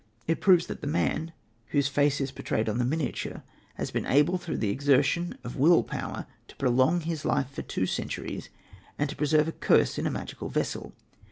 It proves that the man, whose face is portrayed on the miniature has been able through the exertion of will power to prolong his life for two centuries, and to preserve a curse in a magical vessel.